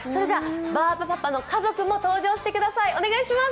バーバパパの家族も登場してください。